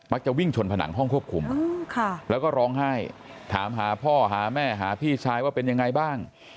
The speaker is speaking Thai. จะวิ่งชนผนังห้องควบคุมแล้วก็ร้องไห้ถามหาพ่อหาแม่หาพี่ชายว่าเป็นยังไงบ้าง